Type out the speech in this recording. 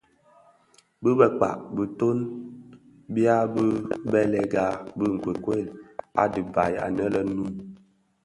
Bi bëkpag bitoň bya bi bèlèga bi nkokuel a dhibaï anë le Noun.